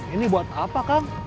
ini buat apa kang